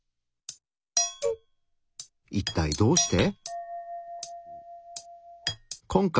一体どうして？